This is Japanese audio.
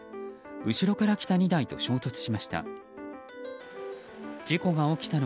後ろから来た２台と衝突しました。